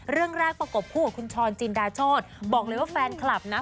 เรื่องแรกประกบคู่กับคุณช้อนจินดาโชธบอกเลยว่าแฟนคลับนะ